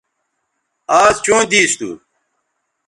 آز چوں دیس تھو